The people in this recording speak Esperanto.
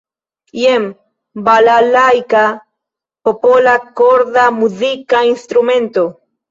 Jen "balalajka", popola korda muzika instrumento.